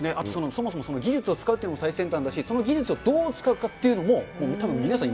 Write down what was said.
そもそも技術を使うっていうのも最先端だし、その技術をどう使うかというのもたぶん、皆さん